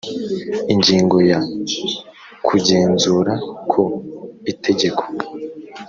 ingingo ya kugenzura ko itegeko